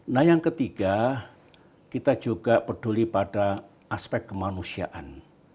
nah yang ketiga kita juga peduli pada aspek kemanusiaan